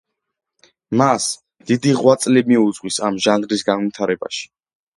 მას დიდი ღვაწლი მიუძღვის ამ ჟანრის განვითარებაში.